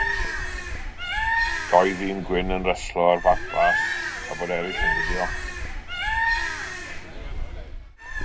Dau ddyn gwyn yn reslo ar fat glas tra bod eraill yn gwylio